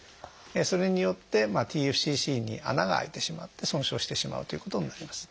それによってＴＦＣＣに穴があいてしまって損傷してしまうということになります。